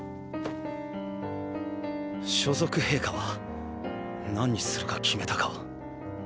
所属兵科は何にするか決めたか？